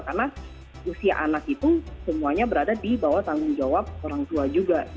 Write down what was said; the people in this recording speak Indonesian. karena usia anak itu semuanya berada di bawah tanggung jawab orang tua juga